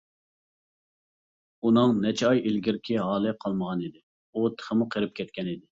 ئۇنىڭ نەچچە ئاي ئىلگىرىكى ھالى قالمىغانىدى، ئۇ تېخىمۇ قېرىپ كەتكەنىدى.